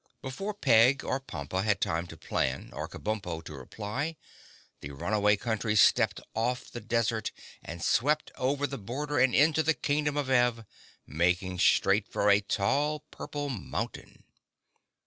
Before Peg or Pompa had time to plan, or Kabumpo to reply, the Runaway Country stepped off the desert and swept over the border and into the Kingdom of Ev, making straight for a tall purple mountain.